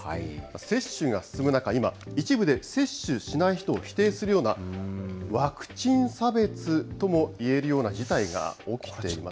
接種が進む中、今、一部で接種しない人を否定するような、ワクチン差別ともいえるような事態が起きています。